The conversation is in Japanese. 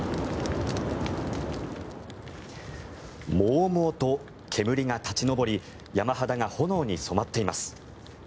もうもうと煙が立ち上り山肌が炎に染まっています。